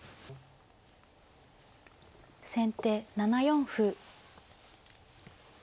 先手７四歩。